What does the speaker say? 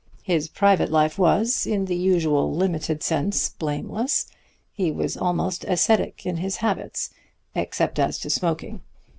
His private life was, in the usual limited sense, blameless. He was almost ascetic in his habits, except as to smoking.